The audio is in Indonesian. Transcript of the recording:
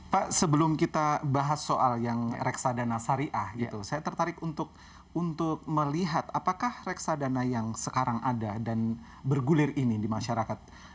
pak sebelum kita bahas soal yang reksadana syariah gitu saya tertarik untuk melihat apakah reksadana yang sekarang ada dan bergulir ini di masyarakat